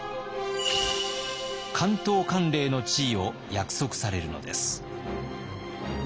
関東管領の地位を約束されるのです。